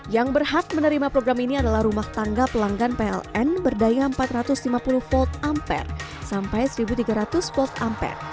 yang berhak menerima program ini adalah rumah tangga pelanggan pln berdaya empat ratus lima puluh volt ampere sampai satu tiga ratus volt ampere